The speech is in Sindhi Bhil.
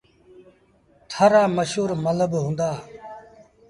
ٿر رآ مشهور مله با هُݩدآ۔